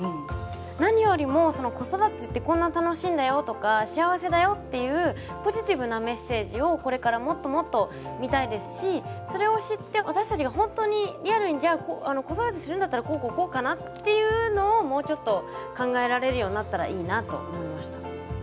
何よりも、子育てってこんな楽しいんだよとか幸せだよっていうポジティブなメッセージを、これからもっともっと見たいですしそれを知って、私たちもリアルに子育てするんだったらこうこうこうかなっていうのをもうちょっと考えられるようになったらいいなと思いました。